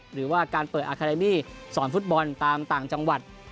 หรือว่าการเปิดอาคาเดมี่สอนฟุตบอลตามต่างจังหวัด